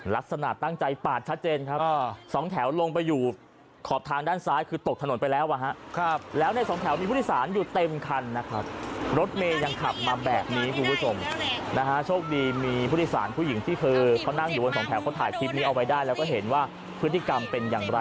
ลักษณะตั้งใจปาดชัดเจนครับสองแถวลงไปอยู่ขอบทางด้านซ้ายคือตกถนนไปแล้วอ่ะฮะแล้วในสองแถวมีผู้โดยสารอยู่เต็มคันนะครับรถเมย์ยังขับมาแบบนี้คุณผู้ชมนะฮะโชคดีมีผู้โดยสารผู้หญิงที่คือเขานั่งอยู่บนสองแถวเขาถ่ายคลิปนี้เอาไว้ได้แล้วก็เห็นว่าพฤติกรรมเป็นอย่างไร